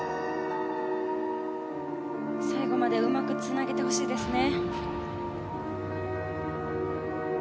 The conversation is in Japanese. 最後までうまくつなげてほしいですね。